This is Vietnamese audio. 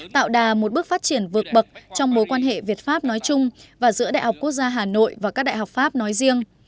tạo đà một bước phát triển vượt bậc trong mối quan hệ việt pháp nói chung và giữa đại học quốc gia hà nội và các đại học pháp nói riêng